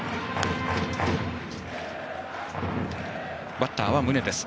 バッターは宗です。